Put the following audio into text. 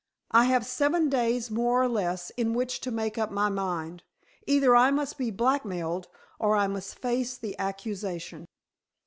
I have seven days, more or less, in which to make up my mind. Either I must be blackmailed, or I must face the accusation."